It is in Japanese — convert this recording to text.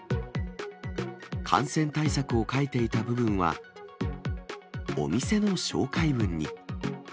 感染対策を書いていた部分は、お店の紹介文に。